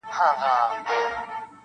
ستا د عدل او انصاف بلا گردان سم-